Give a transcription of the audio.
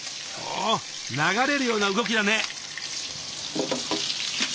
お流れるような動きだね。